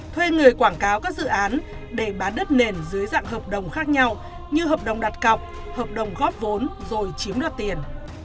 thuê người quảng cáo các dự án để bán đất nền dưới dạng hợp đồng khác nhau như hợp đồng đặt cọc hợp đồng góp vốn rồi chiếm đoạt tiền